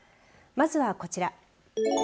まずはこちら。